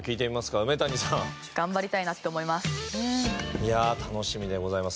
いやあ楽しみでございます。